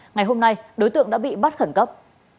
ngày hôm nay đối tượng đã bị bắt khẩn cấp